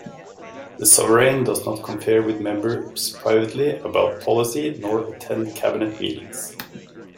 The Sovereign does not confer with members privately about policy, nor attend Cabinet meetings.